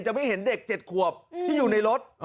ไม่เห็นเด็ก๗ขวบที่อยู่ในรถ